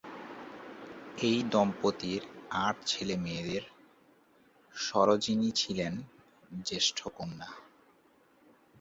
এই দম্পতির আট ছেলেমেয়েদের সরোজিনী ছিলেন জ্যেষ্ঠ কন্যা।